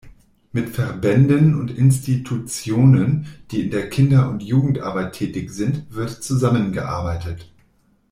Mit Verbänden und Institutionen, die in der Kinder- und Jugendarbeit tätig sind, wird zusammengearbeitet.